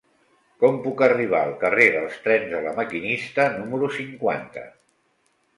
Com puc arribar al carrer dels Trens de La Maquinista número cinquanta?